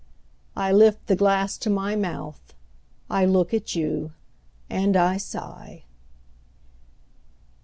I lift the glass to my mouth, I look at you, and I sigh.